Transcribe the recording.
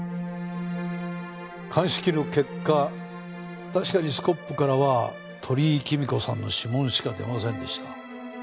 鑑識の結果確かにスコップからは鳥居貴美子さんの指紋しか出ませんでした。